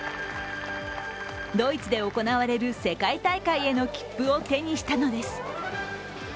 ドイツで行われる世界大会への切符を手にしたのです。